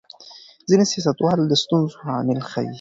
ځینې سیاستوال د ستونزو عامل ښيي.